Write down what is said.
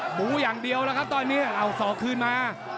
หมูอย่างเดียวแล้วครับตอนนี้เอาศอกคืนมา